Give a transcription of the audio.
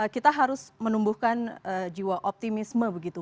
kita harus menumbuhkan jiwa optimisme begitu